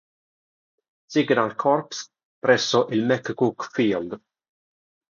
Signal Corps presso il McCook Field.